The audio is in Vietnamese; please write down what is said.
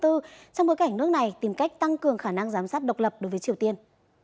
trong bối cảnh nước này tìm cách tăng cường khả năng giám sát độc lập đối với triều tiên